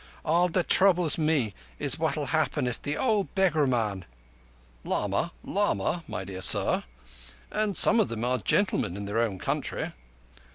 All that troubles me is what'll happen if the old beggar man—" "Lama, lama, my dear sir; and some of them are gentlemen in their own country."